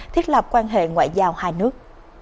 thiết lập quan hệ ngoại giao hai nước